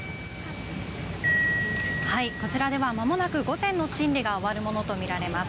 こちらではまもなく午前の審理が終わるものと見られます。